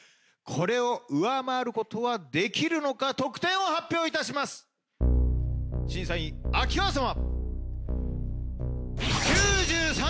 これを上回ることはできるのか得点を発表いたします審査員秋川様